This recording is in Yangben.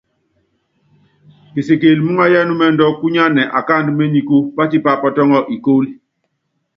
Pisikili muúŋayɔ ɛnúmɛndɔ kúnyánɛ akáandɔ ményiku, pátípa pɔtɔŋɔ ikólo.